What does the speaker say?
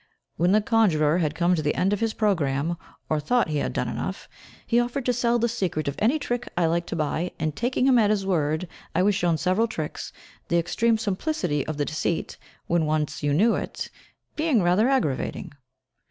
When the conjurer had come to the end of his programme, or thought he had done enough, he offered to sell the secret of any trick I liked to buy, and, taking him at his word, I was shown several tricks, the extreme simplicity of the deceit, when once you knew it, being rather aggravating.